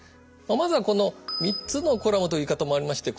まずはこの「３つのコラム」という言い方もありまして